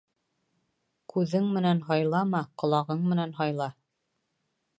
Күҙең менән һайлама, ҡолағың менән һайла.